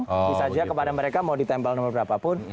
bisa saja kepada mereka mau ditempel nomor berapapun